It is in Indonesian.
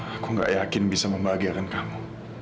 aku gak yakin bisa membahagiakan kamu